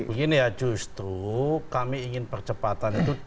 begini ya justru kami ingin percepatan itu